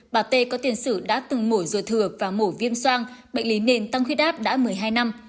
bà tê có tiền sử đã từng mổ rồi thừa và mổ viêm soang bệnh lý nền tăng huyết áp đã một mươi hai năm